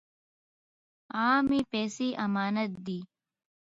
عامې پیسې امانت دي.